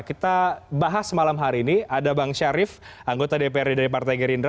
kita bahas malam hari ini ada bang syarif anggota dprd dari partai gerindra